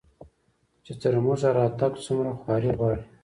چې تر موږه راتګ څومره خواري غواړي